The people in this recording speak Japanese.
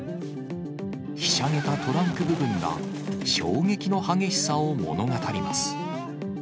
ひしゃげたトランク部分が衝撃の激しさを物語ります。